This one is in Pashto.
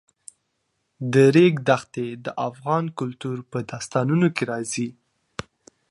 د ریګ دښتې د افغان کلتور په داستانونو کې راځي.